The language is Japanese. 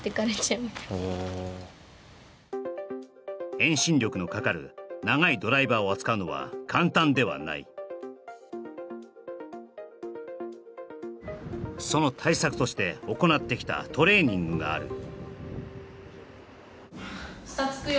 遠心力のかかる長いドライバーを扱うのは簡単ではないその対策として行ってきたトレーニングがある下つくよ